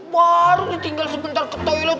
baru ditinggal sebentar ke toilet